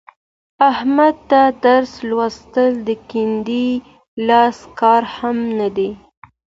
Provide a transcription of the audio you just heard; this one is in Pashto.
احمد ته درس لوستل د کیڼ لاس کار هم نه دی.